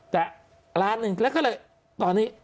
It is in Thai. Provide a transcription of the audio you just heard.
จะล้านหนึ่งแล้วก็เลยตอนนี้